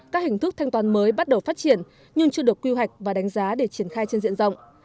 các hình thức thanh toán mới bắt đầu phát triển nhưng chưa được quy hoạch và đánh giá để triển khai trên diện rộng